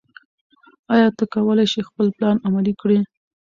ایا ته کولای شې خپل پلان عملي کړې؟